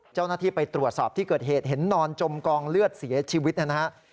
เจ้าหน้าที่ไปตรวจสอบที่เกิดเหตุเห็นนอนจมกองเลือดเสียชีวิตนะครับ